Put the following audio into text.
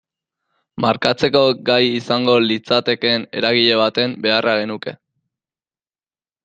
Markatzeko gai izango litzatekeen eragile baten beharra genuke.